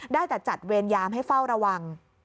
ได้แต่จัดเวรยามให้เฝ้าระวัง